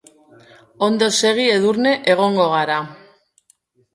Ondo segi Edurne, egongo gara.